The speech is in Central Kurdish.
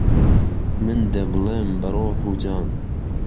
من دهبڵێم بە ڕوح و جان